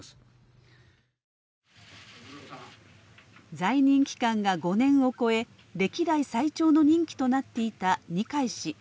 在任期間が５年を超え歴代最長の任期となっていた二階氏。